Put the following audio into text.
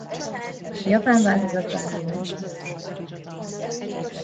A japán változatban néven ismert.